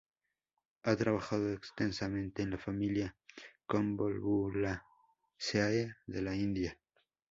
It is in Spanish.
Ha trabajado extensamente en la familia Convolvulaceae de la India.